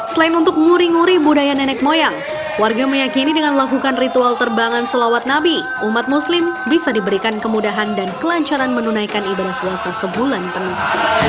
selain untuk nguri nguri budaya nenek moyang warga meyakini dengan melakukan ritual terbangan sholawat nabi umat muslim bisa diberikan kemudahan dan kelancaran menunaikan ibadah puasa sebulan penuh